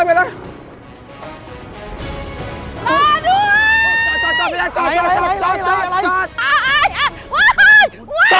ปลาโน้ยจอด